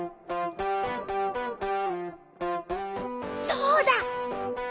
そうだ！